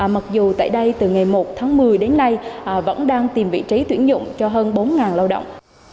mặc dù tại đây từ ngày một tháng một mươi đến nay vẫn đang tìm vị trí tuyển dụng cho hơn bốn lao động